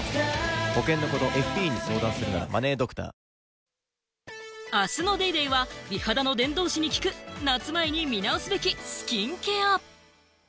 ニトリ明日の『ＤａｙＤａｙ．』は美肌の伝道師に聞く、夏前に見直すべきスキンケア。